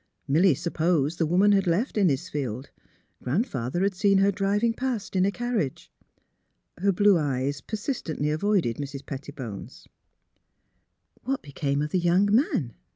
Milly supposed the woman had left Innisfield. Grandfather had seen her driving past in a carriage. MISS PHILURA'S BABY 329 Her blue eyes persistently avoided Mrs. Petti bone's. " What became of the young man?